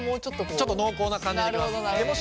ちょっと濃厚な感じでできます。